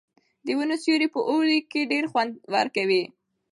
د ونو سیوری په اوړي کې ډېر خوند ورکوي.